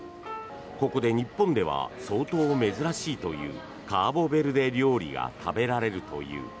ここで日本では相当珍しいというカボベルデ料理が食べられるという。